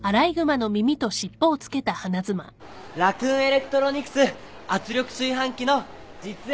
ラクーン・エレクトロニクス圧力炊飯器の実演販売中です！